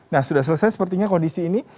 nah sudah selesai sepertinya kondisi ini